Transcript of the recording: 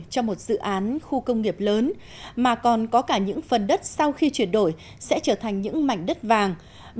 cho một dự án khu công nghiệp lớn mà còn có cả những phần đất sau khi chuyển đổi sẽ trở thành những mảnh đất vàng